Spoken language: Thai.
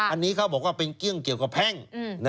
อันนี้เขาบอกว่าเป็นเรื่องเกี่ยวกับแพ่ง